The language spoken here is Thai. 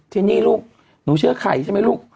ที่นี่ลูกหนูเชื่อไข่ใช่ไหมลูก